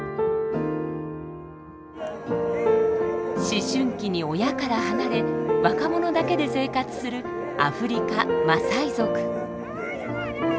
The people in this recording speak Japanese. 思春期に親から離れ若者だけで生活するアフリカマサイ族。